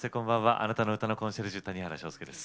あなたの歌のコンシェルジュ谷原章介です。